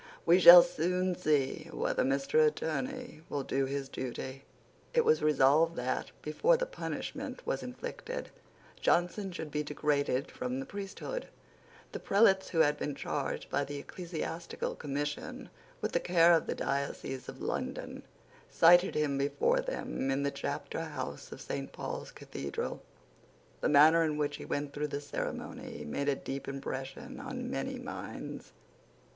We shall soon see whether Mr. Attorney will do his duty." It was resolved that, before the punishment was inflicted, Johnson should be degraded from the priesthood. The prelates who had been charged by the Ecclesiastical Commission with the care of the diocese of London cited him before them in the chapter house of Saint Paul's Cathedral. The manner in which he went through the ceremony made a deep impression on many minds.